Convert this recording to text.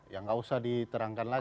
ya nggak usah diterangkan lagi